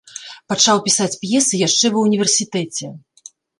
Пачаў пісаць п'есы яшчэ ва ўніверсітэце.